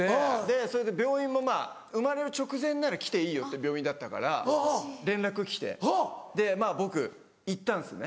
それで病院も生まれる直前なら来ていいよって病院だったから連絡来て僕行ったんですね。